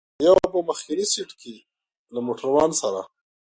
یو په مخکني سېټ کې له موټروان سره.